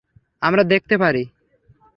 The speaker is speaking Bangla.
আমরা দেখতে পারি?